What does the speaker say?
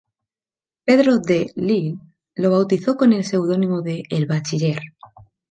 Pedro de Lille lo bautizó con el seudónimo de "El Bachiller".